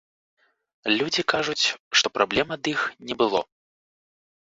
Людзі кажуць, што праблем ад іх не было.